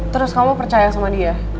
terus kamu percaya sama dia